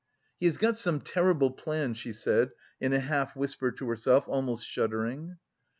"He has got some terrible plan," she said in a half whisper to herself, almost shuddering.